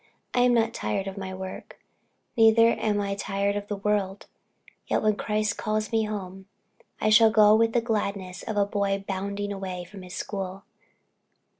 I am not tired of my work, neither am I tired of the world; yet when Christ calls me home. I shall go with the gladness of a boy bounding away from his school.